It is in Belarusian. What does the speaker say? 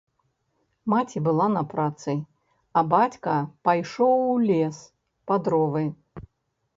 Маці была на працы, а бацька пайшоў ў лес па дровы.